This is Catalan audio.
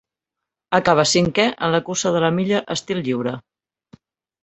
Acabà cinquè en la cursa de la milla estil lliure.